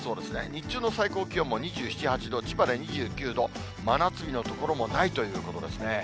日中の最高気温も２７、８度、千葉で２９度、真夏日の所もないということですね。